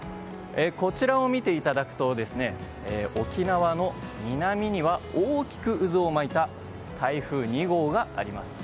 こちらを見ていただくと沖縄の南には大きく渦を巻いた台風２号があります。